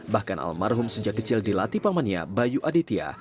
bahkan almarhum sejak kecil dilatih pamannya bayu aditya